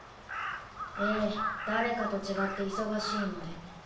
ええ誰かと違って忙しいので。